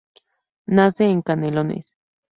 Nace en Canelones.